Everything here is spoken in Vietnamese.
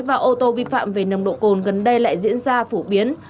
và ô tô vi phạm về nồng độ cồn gần đây lại diễn ra phổ biến